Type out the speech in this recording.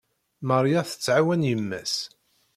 Maria tettɛawan yemma-s.